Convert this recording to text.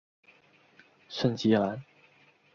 圣基兰。